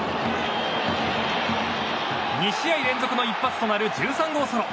２試合連続の一発となる１３号ソロ。